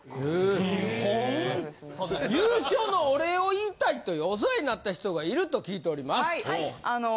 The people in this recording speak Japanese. ・優勝のお礼を言いたいというお世話になった人がいると聞いております。